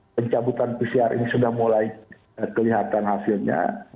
pencabutan pcr ini sudah mulai kelihatan hasilnya